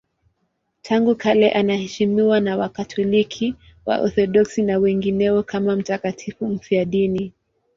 Tangu kale anaheshimiwa na Wakatoliki, Waorthodoksi na wengineo kama mtakatifu mfiadini.